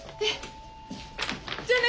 じゃあね。